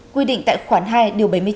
quy định tại khoản hai điều bảy mươi chín